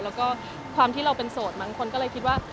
แล้วก็ความที่เราเป็นโสดมั้งคนก็เลยคิดว่า